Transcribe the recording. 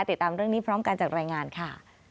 ติดตามเรื่องนี้พร้อมกันจากรายงานค่ะ